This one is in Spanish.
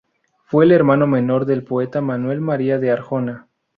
Fue el hermano menor del poeta Manuel María de Arjona.